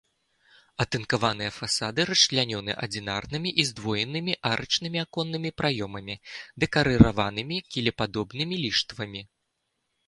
Атынкаваныя фасады расчлянёны адзінарнымі і здвоенымі арачнымі аконнымі праёмамі, дэкарыраванымі кілепадобнымі ліштвамі.